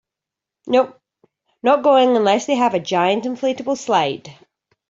Nope, not going unless they have a giant inflatable slide.